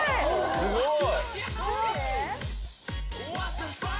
すごーい。